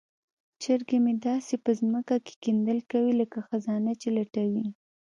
چرګې مې داسې په ځمکه کې کیندل کوي لکه خزانه چې لټوي.